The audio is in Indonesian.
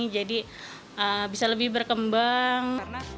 jadi bisa lebih berkembang